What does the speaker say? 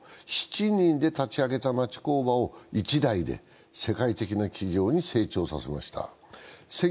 ７人で立ち上げた町工場を一代で世界的な企業に成長させました。